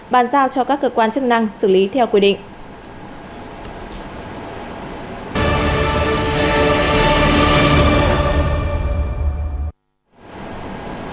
bàn giao cho các cơ quan chức năng xử lý theo quy định